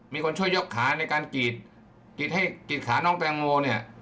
มีคนช่วยยกขาในการกรีดให้กรีดขาน้องแตงโมเนี่ย